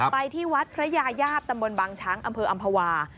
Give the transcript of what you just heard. ไปที่วัดพระยายาบตำบลบางช้างอำเภออำภาวา